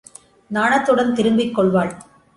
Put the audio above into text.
நாணத்துடன் திரும்பிக் கொள்வாள்.